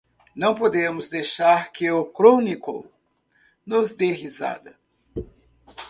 Não podemos deixar que o Chronicle nos dê risada!